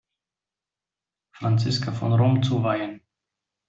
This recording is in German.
Franziska von Rom zu weihen.